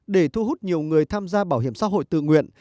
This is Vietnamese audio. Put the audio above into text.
để thu hút nhiều người tham gia bảo hiểm xã hội tự nguyện